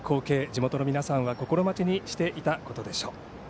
地元の皆さんは心待ちにしていたことでしょう。